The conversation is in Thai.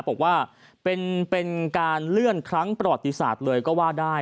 บอกว่าเป็นการเลื่อนครั้งประวัติศาสตร์เลยก็ว่าได้